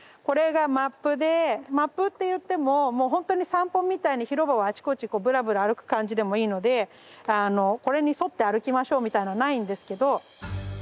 これがマップでマップって言ってももうほんとに散歩みたいに広場をあちこちぶらぶら歩く感じでもいいのでこれに沿って歩きましょうみたいなのないんですけど。